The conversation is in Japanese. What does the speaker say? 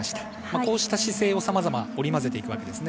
こうした姿勢をさまざま織り交ぜていくわけですね。